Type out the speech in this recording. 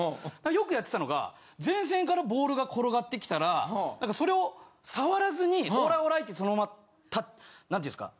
よくやってたのが前線からボールが転がってきたらそれを触らずにオーライオーライってそのままなんていうんですか？